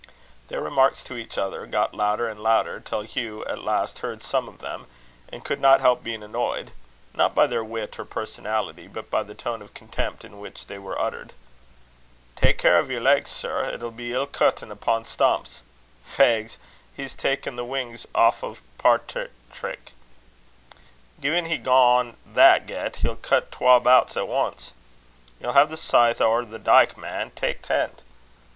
Their remarks to each other got louder and louder, till Hugh at last heard some of them, and could not help being annoyed, not by their wit or personality, but by the tone of contempt in which they were uttered. "Tak' care o' yer legs, sir. It'll be ill cuttin' upo' stumps." "Fegs! he's taen the wings aff o' a pairtrick." "Gin he gang on that get, he'll cut twa bouts at ance." "Ye'll hae the scythe ower the dyke, man. Tak' tent."